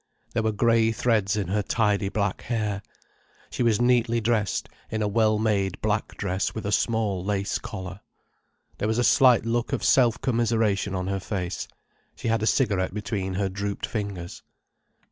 There were grey threads in her tidy black hair. She was neatly dressed in a well made black dress with a small lace collar. There was a slight look of self commiseration on her face. She had a cigarette between her drooped fingers.